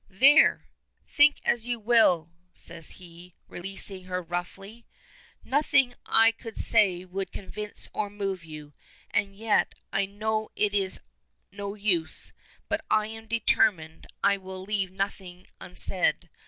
"There! think as you will," says he, releasing her roughly. "Nothing I could say would convince or move you. And yet, I know it is no use, but I am determined I will leave nothing unsaid.